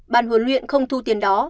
ban huấn luyện không thu tiền đó